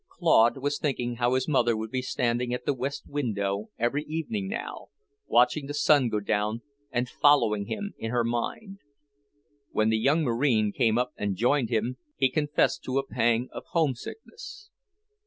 Claude was thinking how his mother would be standing at the west window every evening now, watching the sun go down and following him in her mind. When the young Marine came up and joined him, he confessed to a pang of homesickness.